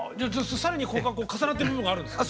更に重なってる部分があるんですか？